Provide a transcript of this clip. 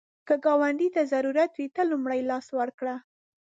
که ګاونډي ته ضرورت وي، ته لومړی لاس ورکړه